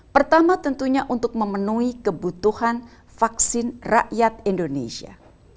pertama tentunya untuk memenuhi kebutuhan vaksin rakyat indonesia